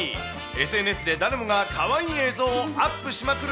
ＳＮＳで誰もがかわいい映像をアップしまくる